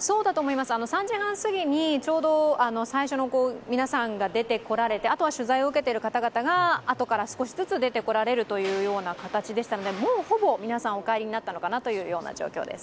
そうだと思います、３時３０分すぎに出て行かれてあとは取材を受けている方々があとから少しずつ出てこられるような形でしたのでもうほぼ皆さん、お帰りになったのかなという状況です。